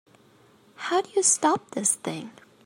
How do you stop this thing?